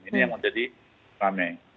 ini yang menjadi ramai